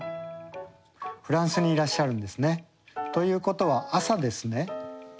フランスにいらっしゃるんですね。ということは朝ですね？